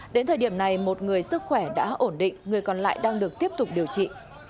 đến thời điểm này một người sức khỏe đã ổn định người còn lại đang được tiếp tục điều trị